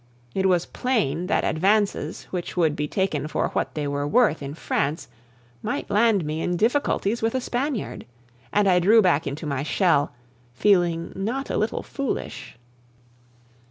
It was plain that advances, which would be taken for what they were worth in France, might land me in difficulties with a Spaniard, and I drew back into my shell, feeling not a little foolish.